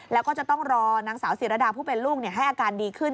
แล้วก็จะต้องรอนางสาวศิรดาผู้เป็นลูกให้อาการดีขึ้น